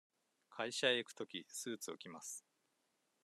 会社へ行くとき、スーツを着ます。